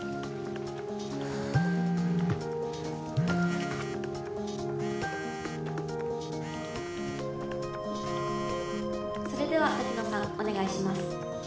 はいそれでは滝野さんお願いします